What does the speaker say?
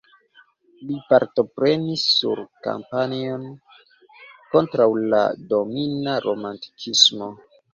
Li partoprenis sur kampanjon kontraŭ la domina romantikismo.